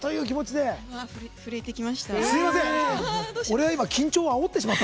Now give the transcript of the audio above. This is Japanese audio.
震えてきました。